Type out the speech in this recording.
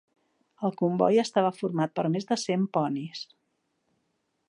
El comboi estava format per més de cent ponis.